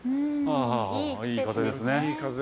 いい季節ですね。